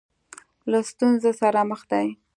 له ستونزه سره مخامخ دی.